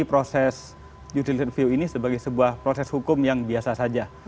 dan proses judicial review ini sebagai sebuah proses hukum yang biasa saja